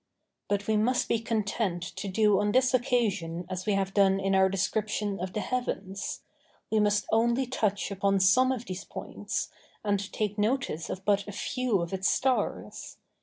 But we must be content to do on this occasion as we have done in our description of the heavens; we must only touch upon some of these points, and take notice of but a few of its stars.